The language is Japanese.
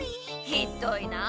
ひどいなあ！